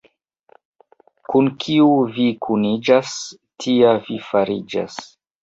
Kun kiu vi kuniĝas, tia vi fariĝas.